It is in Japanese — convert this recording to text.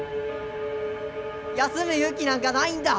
休む勇気なんかないんだ。